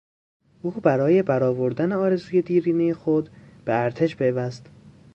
او برای برآوردن آرزوی دیرینهٔ خود به ارتش پیوست.